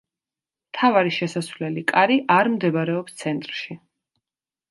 მთავარი შესასვლელი კარი არ მდებარეობს ცენტრში.